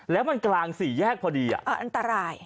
แล้วมันกลางสี่แยกพอดีอันตราย